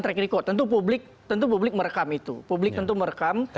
trikriko tentu publik tentu publik merekam itu publik tentu merekam dan ini juga ada yang menyebutnya